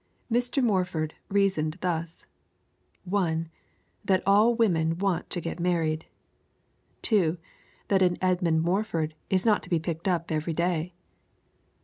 Mr. Morford reasoned thus: I. That all women want to get married. II. That an Edmund Morford is not to be picked up every day.